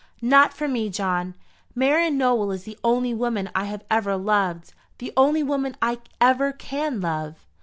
"Not for me, John. Marian Nowell is the only woman I have ever loved, the only woman I ever can love."